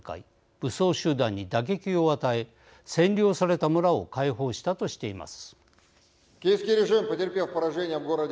武装集団に打撃を与え占領された村を解放したとしています。